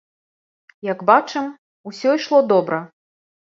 Як бачым, усё ішло добра.